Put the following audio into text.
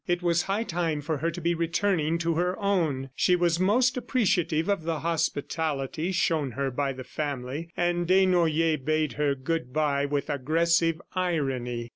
It was high time for her to be returning to her own; she was most appreciative of the hospitality shown her by the family. ... And Desnoyers bade her good bye with aggressive irony.